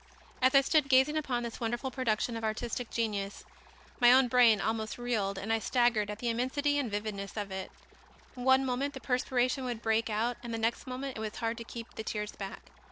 As I stood gazing upon this wonderful production of artistic genius, my own brain almost reeled and staggered at the immensity and vividness of it. One moment the perspiration would break out and the next moment it was hard to keep the tears back.